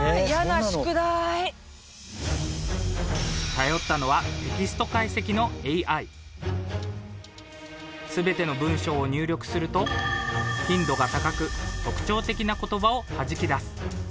頼ったのは全ての文章を入力すると頻度が高く特徴的な言葉をはじき出す。